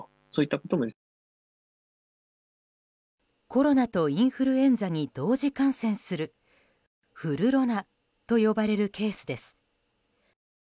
コロナとインフルエンザに同時感染するフルロナと呼ばれるケースです。